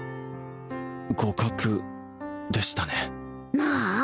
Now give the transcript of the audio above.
互角でしたねなあ